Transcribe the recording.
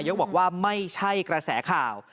บอกว่าไม่ใช่กระแสข่าว